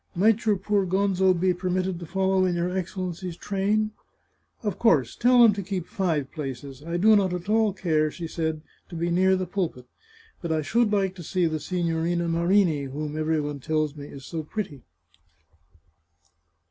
" Might your poor Gonzo be permitted to follow in your Excellency's train ?"" Of course ; tell them to keep five places. ... I do not at all care," she said, " to be near the pulpit, but I should like to see the Signorina Marini, whom every one tells me is so pretty."